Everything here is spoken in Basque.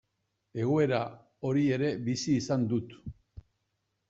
Egoera hori ere bizi izan dut.